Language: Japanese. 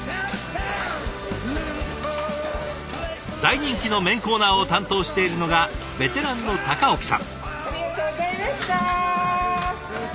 大人気の麺コーナーを担当しているのがベテランの高沖さん。